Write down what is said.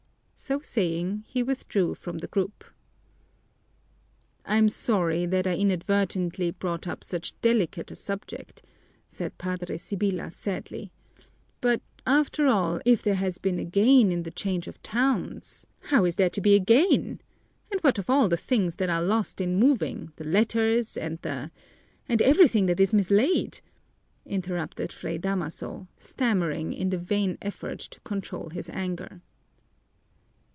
So saying, he withdrew from the group. "I'm sorry that I inadvertently brought up so delicate a subject," said Padre Sibyla sadly. "But, after all, if there has been a gain in the change of towns " "How is there to be a gain? And what of all the things that are lost in moving, the letters, and the and everything that is mislaid?" interrupted Fray Damaso, stammering in the vain effort to control his anger.